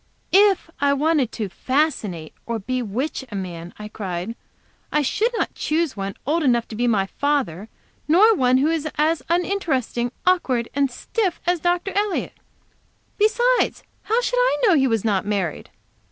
"If I wanted to 'fascinate' or 'bewitch' a man," I cried, "I should not choose one old enough to be my father, nor one who was as uninteresting, awkward and stiff as Dr. Elliott. Besides, how should I know he was not married?